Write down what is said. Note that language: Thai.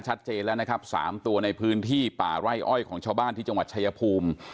ชัดเจนแล้วนะครับ๓ตัวในพื้นที่ป่าไร่อ้อยของชาวบ้านที่จังหวัดชายภูมิ